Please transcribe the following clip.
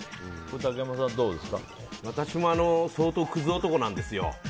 私も相当クズ男なんですよ。